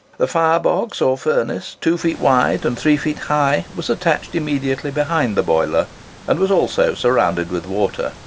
The fire box, or furnace, 2 feet wide and 3 feet high, was attached immediately behind the boiler, and was also surrounded with water.